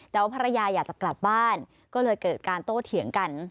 แต่ว่าภรรยาอยากจะกลับบ้านก็เลยเกิดการโต้เถียงกัน